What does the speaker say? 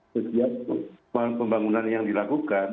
setiap pembangunan yang dilakukan